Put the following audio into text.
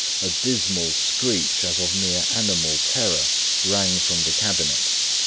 A dismal screech, as of mere animal terror, rang from the cabinet.